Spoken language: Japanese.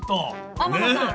天野さん